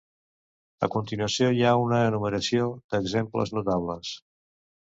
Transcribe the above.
A continuació hi ha una enumeració d'exemples notables.